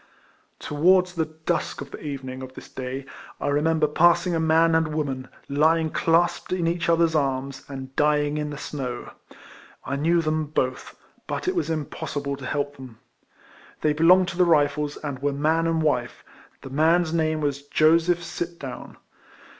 To wards the dusk of the evening of this day I remember passing a man and woman lying clasped in each other's arms, and dying in the snow. I knew them both; 184 RECOLLECTIONS OF but it was impossible to help them. They belonged to the Rifles, and were man and wife. The man's name was Joseph Sit down.